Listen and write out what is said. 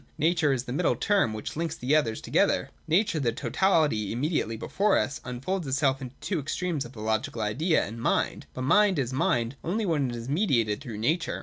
Nature is the middle term which finks the others together. Nature, the totality im mediately before us, unfolds itself into the two extremes of the Logical Idea and Mind. But Mind is Mind only when it is mediated through nature.